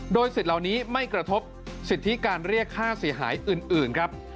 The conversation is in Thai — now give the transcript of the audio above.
โดยสิทธิ์เหล่านี้ไม่กระทบสิทธิการเรียกค่าเสียหายอื่นครับ